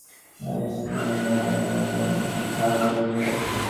Janis থেকে ধার করেছি।